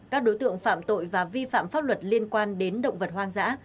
các đối tượng phạm tội và vi phạm pháp luật liên quan đến động vật hoang dã